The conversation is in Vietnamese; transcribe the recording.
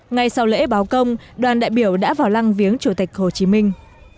ngay sau lễ báo công đoàn đại biểu đã vào lăng viếng chủ tịch hồ chí minh